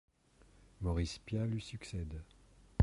Maurice Piat lui succède.